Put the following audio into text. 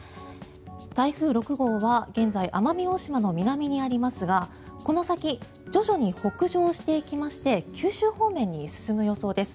台風６号は現在奄美大島の南にありますがこの先徐々に北上していきまして九州方面に進む予想です。